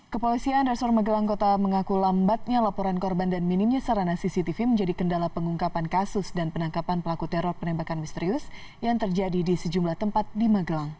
kepolisian resor magelang kota mengaku lambatnya laporan korban dan minimnya sarana cctv menjadi kendala pengungkapan kasus dan penangkapan pelaku teror penembakan misterius yang terjadi di sejumlah tempat di magelang